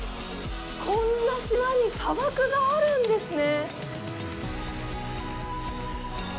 こんな島に砂漠があるんですね。